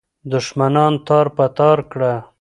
دښمنان تار په تار کړه.